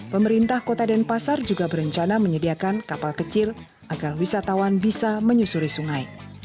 pemerintah kota denpasar juga berencana menyediakan kapal kecil agar wisatawan bisa menyusuri sungai